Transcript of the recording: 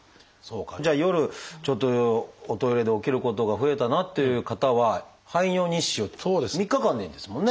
じゃあ夜ちょっとおトイレで起きることが増えたなっていう方は排尿日誌を３日間でいいんですもんね。